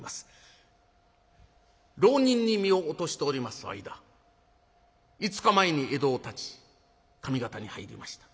ろう人に身を落としております間５日前に江戸をたち上方に入りました。